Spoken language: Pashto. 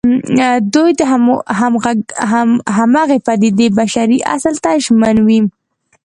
دوی د همغې پدېدې بشري اصل ته ژمن وي.